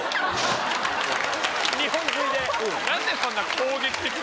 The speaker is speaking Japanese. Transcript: ２本吸いで何でそんな攻撃的な。